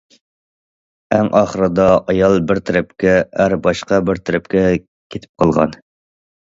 ئەڭ ئاخىردا ئايال بىر تەرەپكە، ئەر باشقا بىر تەرەپكە كېتىپ قالغان.